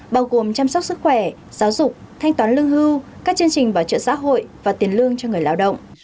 bao gồm chăm sóc sức khỏe giáo dục thanh toán lương hưu các chương trình bảo trợ xã hội và tiền lương cho người lao động